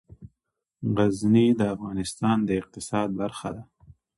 غزني د افغانستان د اقتصاد برخه ده.